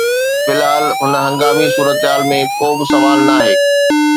في الحال، هن هنگامي صورتحال ۾ ڪو به سوال ناهي